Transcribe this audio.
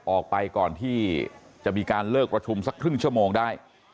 ออกไปก่อนที่จะมีการเลิกประชุมสักครึ่งชั่วโมงได้